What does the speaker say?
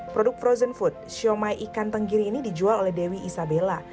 produk frozen food siomay ikan tenggiri ini dijual oleh dewi isabella